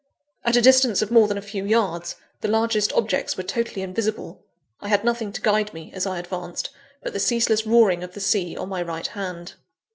At a distance of more than a few yards, the largest objects were totally invisible. I had nothing to guide me, as I advanced, but the ceaseless roaring of the sea on my right hand.